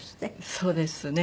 そうですね。